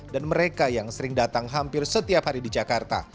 dan mereka yang sering datang hampir setiap hari di jakarta